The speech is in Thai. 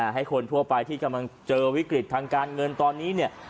ให้คนทั่วไปที่กำลังเจอวิกฤตทางการเงินตอนนี้เนี่ย